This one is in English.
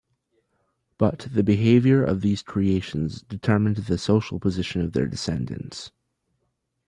But the behavior of these creations determined the social position of their descendants.